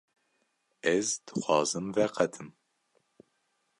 Ez dixwazim veqetim.